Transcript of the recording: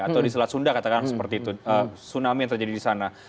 atau di selat sunda katakan seperti itu tsunami yang terjadi di sana